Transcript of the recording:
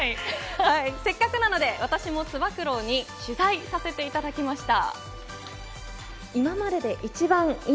せっかくなので私もつば九郎に取材させていただきました。